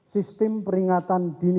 sistem peringatan dini